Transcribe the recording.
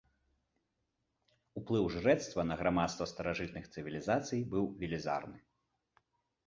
Уплыў жрэцтва на грамадства старажытных цывілізацый быў велізарны.